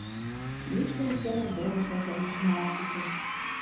Йӱштӧ эрдене веле шошо лишнылак чучеш.